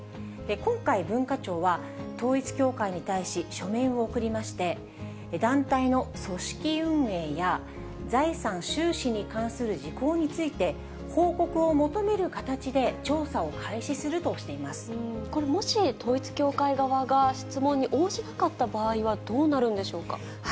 今回、文化庁は、統一教会に対し、書面を送りまして、団体の組織運営や財産、収支に関する事項について、報告を求める形で調査を開始するこれ、もし統一教会側が質問に応じなかった場合はどうなるんでしょうか。